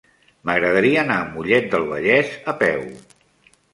M'agradaria anar a Mollet del Vallès a peu.